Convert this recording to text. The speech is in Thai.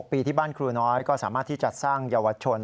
ปีที่บ้านครูน้อยก็สามารถที่จะสร้างเยาวชน